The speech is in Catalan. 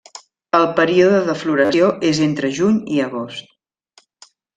El període de floració és entre juny i agost.